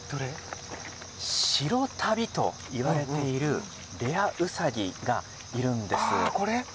白足袋といわれているレアウサギがいるんです。